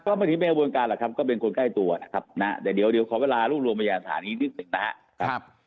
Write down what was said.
ก็ไม่ใช่ขบวนการหรอกครับก็เป็นคนใกล้ตัวนะครับนะแต่เดี๋ยวขอเวลาร่วมมืออีกหนึ่งนะฮะ